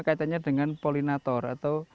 kaitannya dengan polinator atau